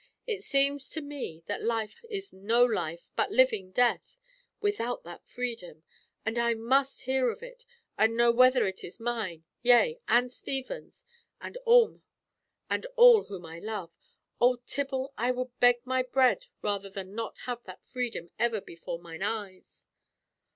It seems to me that life is no life, but living death, without that freedom! And I must hear of it, and know whether it is mine, yea, and Stephen's, and all whom I love. O Tibble, I would beg my bread rather than not have that freedom ever before mine eyes."